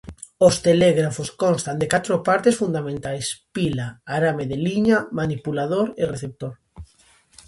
Os telégrafos constan de catro partes fundamentais: pila, arame de liña, manipulador e receptor.